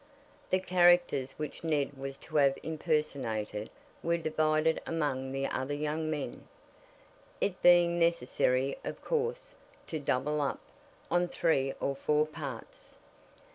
The characters which Ned was to have impersonated were divided among the other young men, it being necessary of course, to "double up" on three or four parts.